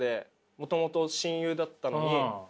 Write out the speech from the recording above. もともと親友だったのに。